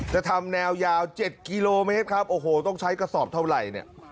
ทำแนวยาว๗กิโลเมตรครับโอ้โหต้องใช้กระสอบเท่าไหร่เนี่ย